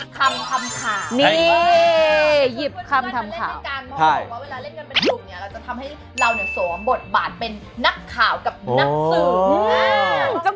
เราจะทำให้เราเนี่ยสวมบทบาทเป็นนักข่าวกับนักสืบ